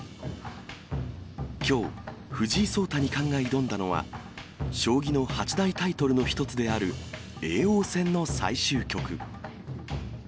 きょう、藤井聡太二冠が挑んだのは、将棋の八大タイトルの一つである叡王戦の最終局。